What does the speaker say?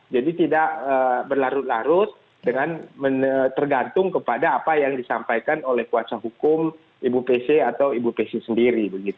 jadi tidak berlarut larut dengan tergantung kepada apa yang disampaikan oleh kuasa hukum ibu pc atau ibu pc sendiri